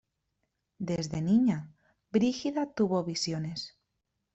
Desde niña Brígida tuvo visiones.